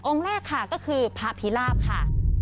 องค์แรกค่ะก็คือพระพิราพค่ะ